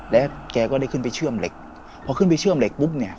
แล้วแกก็ได้ขึ้นไปเชื่อมเหล็กพอขึ้นไปเชื่อมเหล็กปุ๊บเนี่ย